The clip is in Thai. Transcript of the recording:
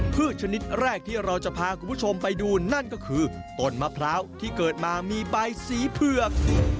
ชนิดแรกที่เราจะพาคุณผู้ชมไปดูนั่นก็คือต้นมะพร้าวที่เกิดมามีใบสีเผือก